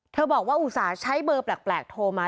เธอบอกว่าอุศาใช้เบอร์แปลกโทรมา